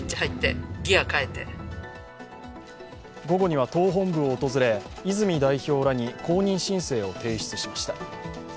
午後には党本部を訪れ、泉代表らに公認申請を提出しました。